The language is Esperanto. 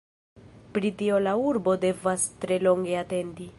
Pri tio la urbo devas tre longe atendi.